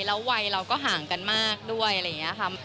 แล้ววัยเราก็ห่างกันมากด้วยอะไรอย่างนี้ค่ะ